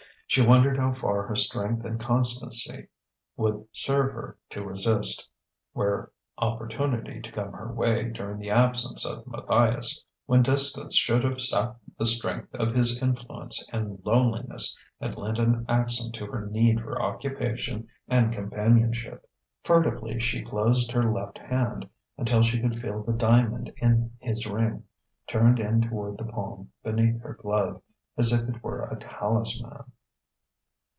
She wondered how far her strength and constancy would serve her to resist, were opportunity to come her way during the absence of Matthias, when distance should have sapped the strength of his influence and loneliness had lent an accent to her need for occupation and companionship. Furtively she closed her left hand, until she could feel the diamond in his ring, turned in toward the palm beneath her glove: as if it were a talisman....